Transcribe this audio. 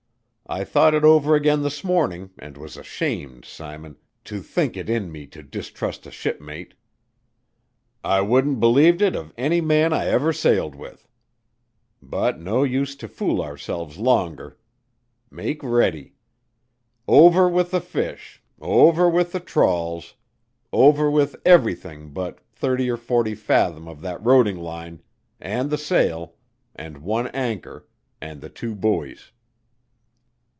I thought it over again this morning and was ashamed, Simon, to think it in me to distrust a shipmate. I wouldn't believed it of any man ever I sailed with. But no use to fool ourselves longer. Make ready. Over with the fish, over with the trawls, over with everything but thirty or forty fathom of that roding line, and the sail, and one anchor, and the two buoys."